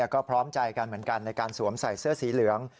ก็พร้อมใจกันเหมือนกันในการสวมใส่เสื้อสีเหลือง